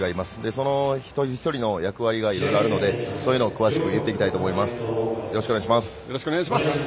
その一人一人の役割がいろいろあるのでそういうのを詳しく入れていきたいと思います。